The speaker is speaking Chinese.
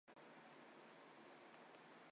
此为萧沆一生唯一一次接受文学奖。